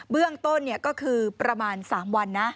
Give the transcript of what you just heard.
เบื้องต้นก็คือประมาณ๓วันนะ